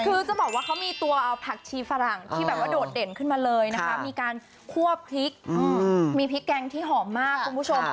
คือจะบอกว่าเขามีตัวเอาผักชีฝรั่งที่แบบว่าโดดเด่นขึ้นมาเลยนะคะมีการคั่วพริกมีพริกแกงที่หอมมากคุณผู้ชม